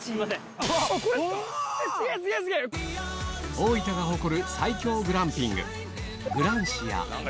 大分が誇る最強グランピング